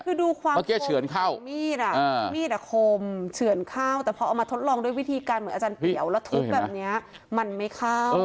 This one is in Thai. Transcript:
คือดูความเมื่อกี้เฉือนเข้ามีดอ่ะมีดมีดอ่ะคมเฉือนเข้าแต่พอเอามาทดลองด้วยวิธีการเหมือนอาจารย์เตี๋ยวแล้วทุบแบบนี้มันไม่เข้า